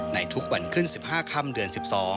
ในทุกวันขึ้น๑๕ค่ำเดือน๑๒